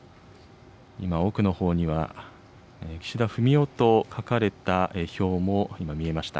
今、奥のほうには、岸田文雄と書かれた票も今、見えました。